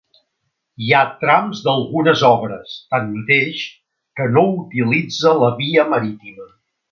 Hi ha trams d'algunes obres, tanmateix, que no utilitza la via marítima.